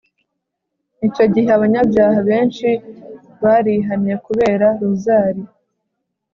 icyo gihe abanyabyaha benshi barihannye kubera rozari